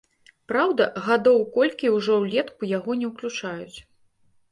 Праўда, гадоў колькі ўжо ўлетку яго не ўключаюць.